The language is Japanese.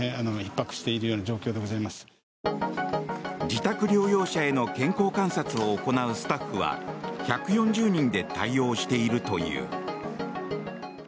自宅療養者への健康観察を行うスタッフは１４０人で対応しているという。